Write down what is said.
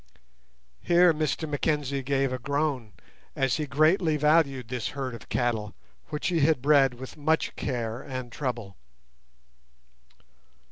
Here Mr Mackenzie gave a groan, as he greatly valued this herd of cattle, which he bred with much care and trouble.